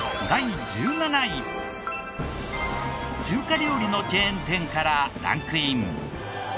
中華料理のチェーン店からランクイン。